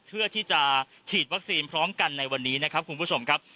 เพื่อที่จะฉีดวัคซีนพร้อมกันในวันนี้นะครับคุณผู้ชมครับ